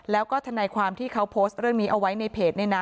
แล้วก็ทนายความที่เขาโพสต์เรื่องนี้เอาไว้ในเพจเนี่ยนะ